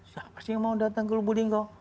siapa sih yang mau datang ke lubulingga